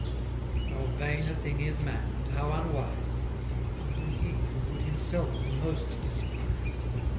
How vain a thing is man, and how unwise! Even he, who would himself the most despise!